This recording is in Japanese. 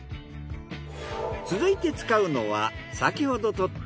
続いて使うのは先ほど採った。